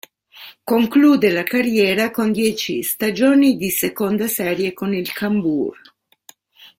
Conclude la carriera con dieci stagioni di seconda serie con il Cambuur.